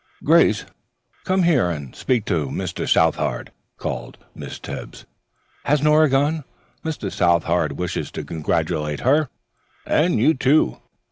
"Grace, come here and speak to Mr. Southard," called Miss Tebbs. "Has Nora gone? Mr. Southard wishes to congratulate her and you, too."